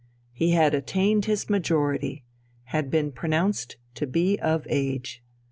He had attained his majority, had been pronounced to be of age.